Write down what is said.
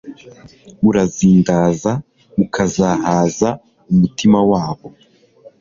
urazindaza ukazahaza umutima wabo